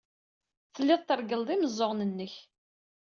Telliḍ treggleḍ imeẓẓuɣen-nnek.